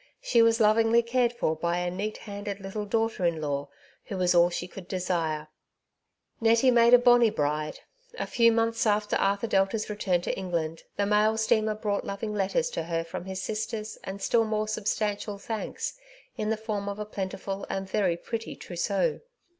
She was lovingly cared for by a neat handed little daughter in law, who was all she could desire, Nettie made a bonnie bride. A few months after Arthur Delta^s return to England, the mail steamer brought loving letters to her from his sisters, aad still more substantial thanks in the form of a plentiful and very pretty trousseau.